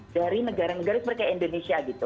dari negara negara seperti indonesia gitu